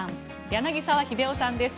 柳澤秀夫さんです。